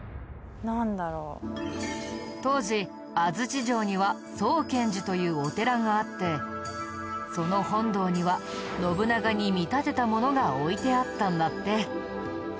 当時安土城には見寺というお寺があってその本堂には信長に見立てたものが置いてあったんだって。